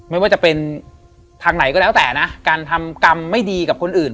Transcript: ไม่ว่าจะเป็นทางไหนก็แล้วแต่นะการทำกรรมไม่ดีกับคนอื่น